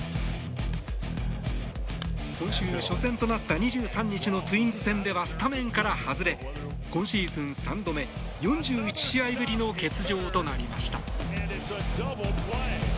今週初戦となった２３日のツインズ戦ではスタメンから外れ今シーズン３度目４１試合ぶりの欠場となりました。